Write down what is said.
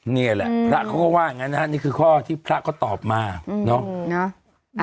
เนี่ยแหละพระเขาก็ว่าอย่างงี้นะครับนี่คือข้อที่พระเขาตอบมาเนาะ